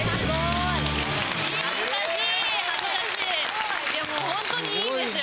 いやもうほんとにいいんですよ